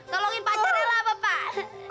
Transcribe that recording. tolongin pacarnya lah bapak